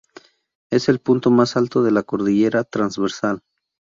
Es el punto más alto de la cordillera Transversal.